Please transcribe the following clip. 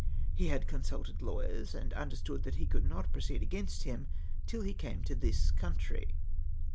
He had consulted lawyers, and understood that he could not proceed against him till he came to this country.